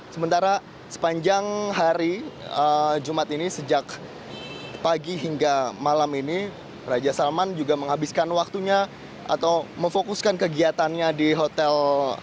sementara sepanjang hari jumat ini sejak pagi hingga malam ini raja salman juga menghabiskan waktunya atau memfokuskan kegiatannya di hotel